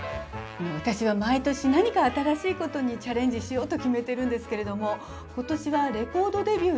私は毎年何か新しいことにチャレンジしようと決めてるんですけれども今年はレコードデビュー